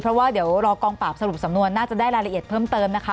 เพราะว่าเดี๋ยวรอกองปราบสรุปสำนวนน่าจะได้รายละเอียดเพิ่มเติมนะคะ